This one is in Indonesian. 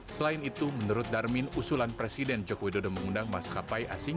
selain itu menurut darmin usulan presiden joko widodo mengundang maskapai asing